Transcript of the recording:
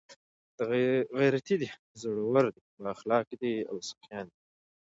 ، غيرتي دي، زړور دي، بااخلاقه دي او سخيان دي